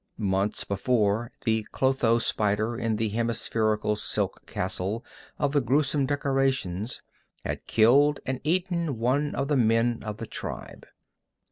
Months before the clotho spider in the hemispherical silk castle of the gruesome decorations had killed and eaten one of the men of the tribe.